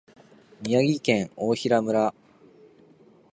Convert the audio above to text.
宮城県大衡村